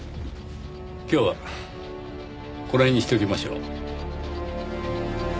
今日はこの辺にしておきましょう。